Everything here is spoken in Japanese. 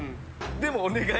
でもお願い！